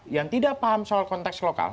yang tidak paham soal konteks lokal